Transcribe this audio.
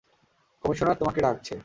Commissioner তোমাকে ডাকছে।